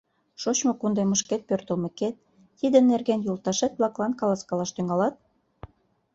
— Шочмо кундемышкет пӧртылмекет, тиде нерген йолташет-влаклан каласкалаш тӱҥалат?